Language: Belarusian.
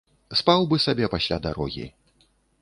Спаў бы сабе пасля дарогі.